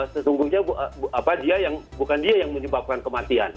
sesungguhnya bukan dia yang menyebabkan kematian